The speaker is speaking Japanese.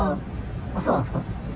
そうなんですか？